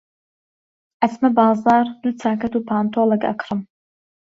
ئەچمە بازاڕ دوو چاکەت و پانتۆڵێک ئەکڕم.